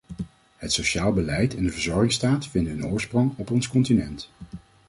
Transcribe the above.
Het sociaal beleid en de verzorgingsstaat vinden hun oorsprong op ons continent.